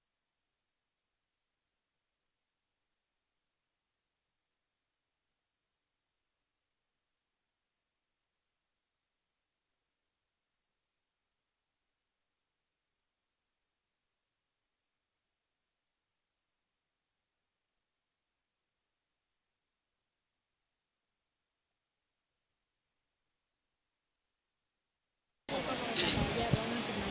ขอบคุณค่ะ